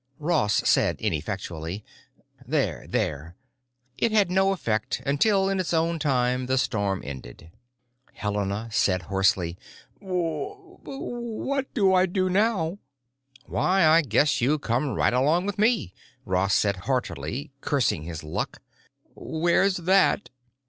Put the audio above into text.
Ross said ineffectually, "There, there." It had no effect; until, in its own time, the storm ended. Helena said hoarsely, "Wh what do I do now?" "Why, I guess you come right along with me," Ross said heartily, cursing his luck. "Where's that?"